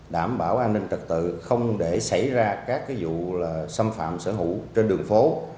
đảm bảo an ninh trật tự không để xảy ra các vụ xâm phạm sở hữu trên đường phố